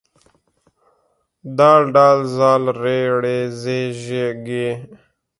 د ډ ذ ر ړ ز ژ ږ